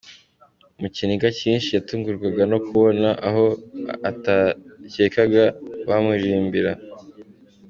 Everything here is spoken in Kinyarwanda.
Mu kiniga kinshi yatungurwaga no kubona abo atakekaga bamuririmbira.